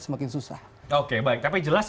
semakin susah oke baik tapi jelas